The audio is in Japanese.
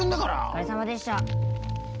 お疲れさまでした。